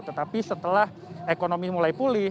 tetapi setelah ekonomi mulai pulih